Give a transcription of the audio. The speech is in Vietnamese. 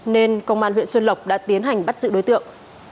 nên công an huyện xuân lộc đã tiến hành bắt giữ đối tượng